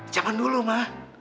zaman dulu ma